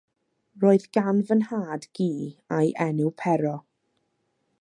Roedd gan fy nhad gi a'i enw Pero.